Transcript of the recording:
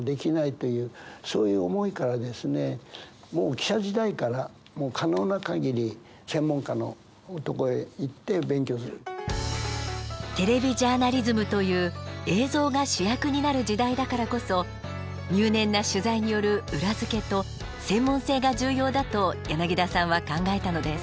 私自身がどういうことかっていうとテレビジャーナリズムという「映像」が主役になる時代だからこそ入念な取材による「裏付け」と「専門性」が重要だと柳田さんは考えたのです。